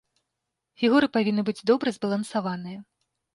Фігуры павінны быць добра збалансаваныя.